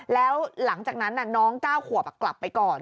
แล้วหลังจากนั้นน้อง๙ขวบกลับไปก่อน